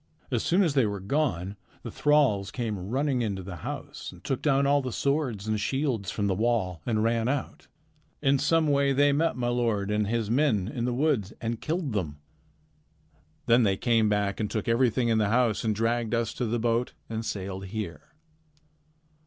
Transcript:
As soon as they were gone, the thralls came running into the house and took down all the swords and shields from the wall and ran out. In some way they met my lord and his men in the woods and killed them. Then they came back and took everything in the house and dragged us to the boat and sailed here."